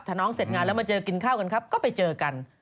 ถ้าน้องเสร็จงานแล้วมาเจอกินข้าวกันครับก็ไปเจอกัน